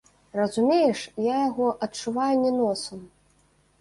Разумееш, я яго адчуваю не носам.